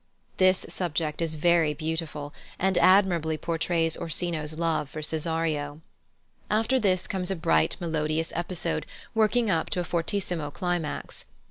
This subject is very beautiful, and admirably portrays Orsino's love for Cesario. After this comes a bright, melodious episode working up to a fortissimo climax.